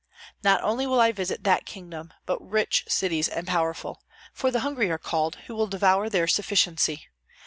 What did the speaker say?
Not only will I visit that kingdom, but rich cities and powerful; for the hungry are called, who will devour their sufficiency.